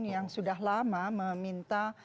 yang sudah lama meminta